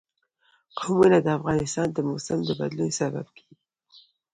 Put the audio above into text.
قومونه د افغانستان د موسم د بدلون سبب کېږي.